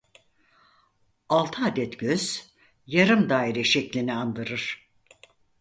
Altı adet göz yarım daire şeklini andırır.